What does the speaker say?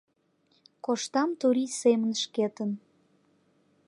Коштам турий семын шкетын.